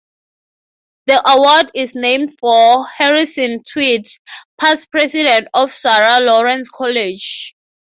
The award is named for Harrison Tweed, past president of Sarah Lawrence College.